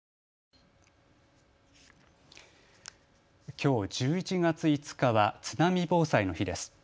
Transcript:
きょう１１月５日は津波防災の日です。